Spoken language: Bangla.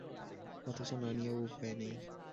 অথচ না নিয়েও উপায় নেই।